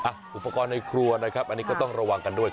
อุปกรณ์ในครัวนะครับอันนี้ก็ต้องระวังกันด้วย